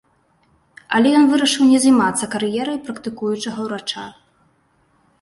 Але ён вырашыў не займацца кар'ерай практыкуючага ўрача.